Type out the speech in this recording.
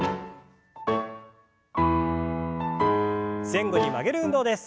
前後に曲げる運動です。